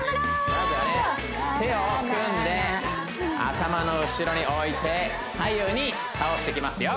まずはね手を組んで頭の後ろにおいて左右に倒してきますよ